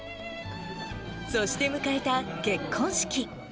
そして迎えた結婚式。